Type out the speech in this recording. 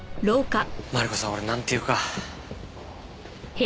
マリコさん俺なんていうか。